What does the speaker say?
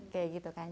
kayak gitu kan